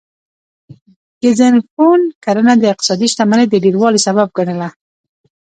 ګزنفون کرنه د اقتصادي شتمنۍ د ډیروالي سبب ګڼله